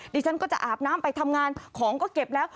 ดิฉันก็จะอาบน้ำไปทำงานของก็เก็บแล้ว